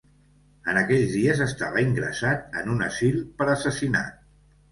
En aquells dies estava ingressat en un asil per assassinat.